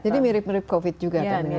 jadi mirip mirip covid juga kan dengan droplet